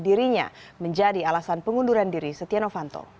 dirinya menjadi alasan pengunduran diri setia novanto